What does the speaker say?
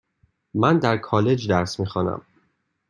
من در کالج درس میخوانم.